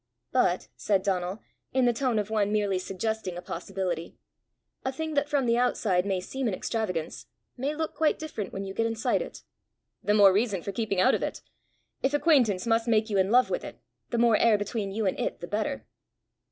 "But," said Donal, in the tone of one merely suggesting a possibility, "a thing that from the outside may seem an extravagance, may look quite different when you get inside it." "The more reason for keeping out of it! If acquaintance must make you in love with it, the more air between you and it the better!"